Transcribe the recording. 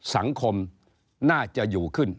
สังคมน่าจะอยู่ขึ้น